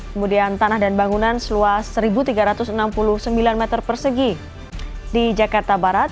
kemudian tanah dan bangunan seluas satu tiga ratus enam puluh sembilan meter persegi di jakarta barat